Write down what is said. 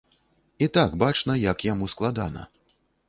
І так бачна, як яму складана.